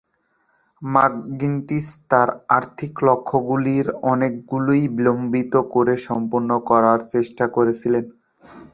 McGinty's তার আর্থিক লক্ষ্যগুলির অনেকগুলিই বিলম্বিত করে সম্পন্ন করার চেষ্টা করেছিলেন।